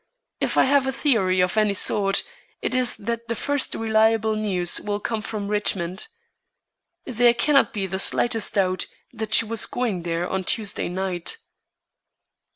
If I have a theory of any sort, it is that the first reliable news will come from Richmond. There cannot be the slightest doubt that she was going there on Tuesday night."